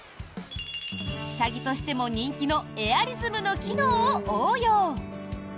下着としても人気のエアリズムの機能を応用。